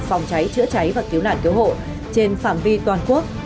phòng cháy chữa cháy và cứu nạn cứu hộ trên phạm vi toàn quốc